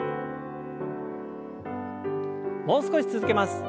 もう少し続けます。